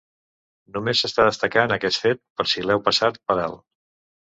Només s'està destacant aquest fet per si l'heu passat per alt.